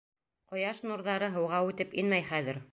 Ҡояш нурҙары һыуға үтеп инмәй хәҙер.